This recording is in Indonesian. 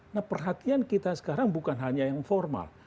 nah perhatian kita sekarang bukan hanya yang formal